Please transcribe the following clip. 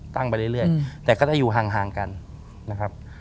ไปเรื่อยแต่ก็จะอยู่ห่างกันนะครับ